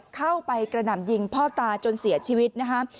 เข้าไปกระหน่ำยิงพ่อตาจนเสียชีวิตนะคะ